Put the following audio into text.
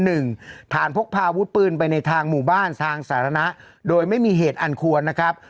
ฐานพกพาอาวุธปืนไปในทางหมู่บ้านทางสาธารณะโดยไม่มีเหตุอันควรนะครับ